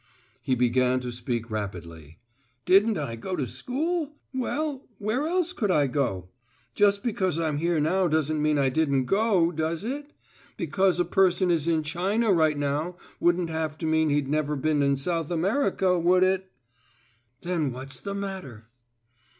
He began to speak rapidly. "Didn't I go to school? Well, where else could I go? Just because I'm here now doesn't mean I didn't go, does it? Because a person is in China right now wouldn't have to mean he'd never been in South America, would it?" "Then what's the matter?"